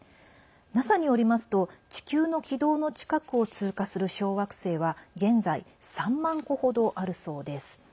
ＮＡＳＡによりますと地球の軌道の近くを通過する小惑星は現在、３万個程あるそうです。